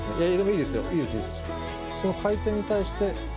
その回転に対して。